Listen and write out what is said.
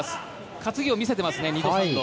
担ぎを見せていますね。